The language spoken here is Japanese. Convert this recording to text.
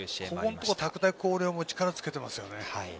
ここのところ拓大紅陵も力をつけていますよね。